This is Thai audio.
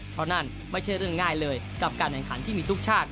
เพราะนั่นไม่ใช่เรื่องง่ายเลยกับการแข่งขันที่มีทุกชาติ